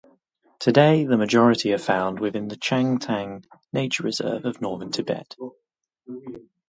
Today, the majority are found within the Chang Tang Nature Reserve of northern Tibet.